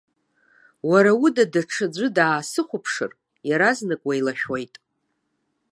Уара уда даҽаӡәы даасыхәаԥшыр, иаразнак уеилашәоит.